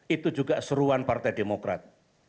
itu juga seruan partai demokrat